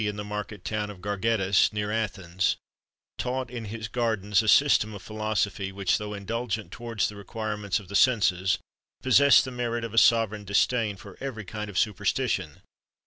in the market town of Gargettus, near Athens taught in his gardens a system of philosophy, which, though indulgent towards the requirements of the senses, possessed the merit of a sovereign disdain for every kind of superstition.